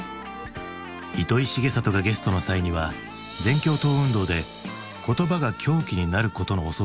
糸井重里がゲストの際には全共闘運動で言葉が凶器になることの恐ろしさを知る糸井に